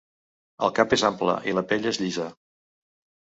El cap és ample, i la pell és llisa.